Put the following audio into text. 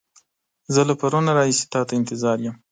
زه له پرون راهيسې تا ته انتظار يم.